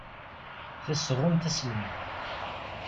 Tasɣunt Aselmad.